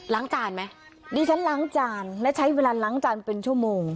จานไหมดิฉันล้างจานและใช้เวลาล้างจานเป็นชั่วโมง